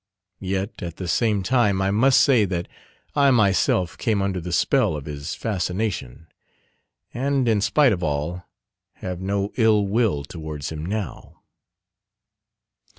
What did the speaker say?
Yet, at the same time, I must say that I myself came under the spell of his fascination, and, in spite of all, have no ill will towards him now.